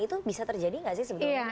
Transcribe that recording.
itu bisa terjadi nggak sih sebenarnya